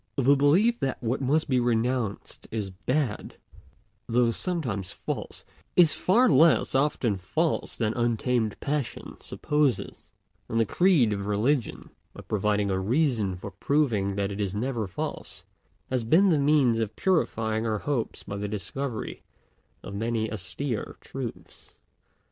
The belief that what must be renounced is bad, though sometimes false, is far less often false than untamed passion supposes; and the creed of religion, by providing a reason for proving that it is never false, has been the means of purifying our hopes by the discovery of many austere truths.